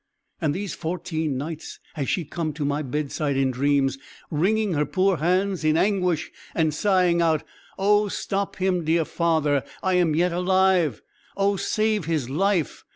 And these fourteen nights has she come to my bedside in dreams, wringing her poor hands in anguish, and sighing out, 'Oh stop him, dear father! I am yet alive! Oh save his life!